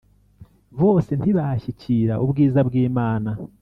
Bose ntibashyikira ubwiza bw'Imana